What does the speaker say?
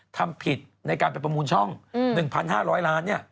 ทำผิดในการไปประมูลช่อง๑๕๐๐ล้าน